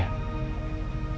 kondisi andin memprihatinkan